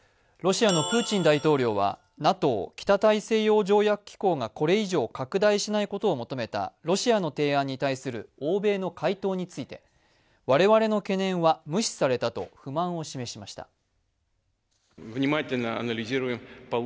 ロシアのプーチン大統領はＮＡＴＯ＝北大西洋条約機構がこれ以上拡大しないことを求めたロシアの提案に対する欧米の回答について、我々の懸念は無視されたと不満を示しました。